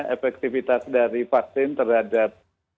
efektivitas dari vaksin terhadap